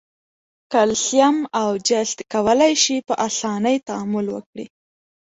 کلسیم او جست کولای شي په آساني تعامل وکړي.